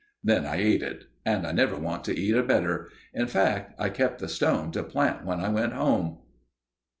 Then I ate it, and never want to eat a better. In fact, I kept the stone to plant when I went home.